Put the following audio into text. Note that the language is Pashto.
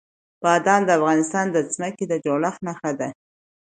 بادام د افغانستان د ځمکې د جوړښت نښه ده.